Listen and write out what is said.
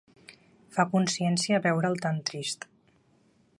Fa consciència veure'l tan trist.